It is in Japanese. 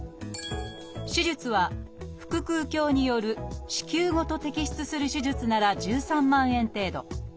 手術は腹腔鏡による子宮ごと摘出する手術なら１３万円程度。